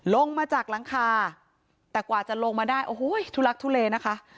ลงมาจากหลังคาแต่กว่าจะลงมาได้โอ้โหทุลักทุเลนะคะ